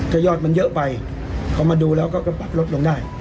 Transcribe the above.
ก็ยอดมันเยอะไปพอมาดูแล้วก็ปรับลดลงได้